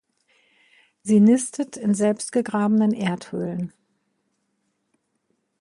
Sie nistet in selbstgegrabenen Erdhöhlen.